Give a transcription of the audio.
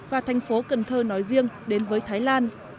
và thành phố cần thơ nói riêng đến với thái lan